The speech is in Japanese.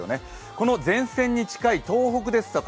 この前線に近い東北ですとか